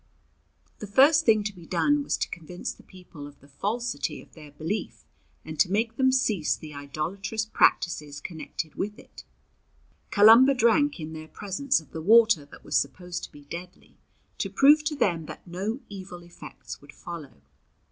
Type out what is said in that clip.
The first thing to be done was to convince the people of the falsity of their belief and to make them cease the idolatrous practices connected with it. Columba drank in their presence of the water that was supposed to be deadly, to prove to them that no evil effects would follow.